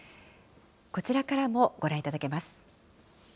こちらからもご覧いただけます。